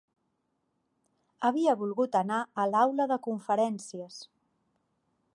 Havia volgut anar a l'Aula de Conferències